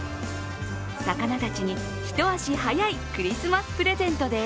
魚たちに一足早いクリスマスプレゼントです。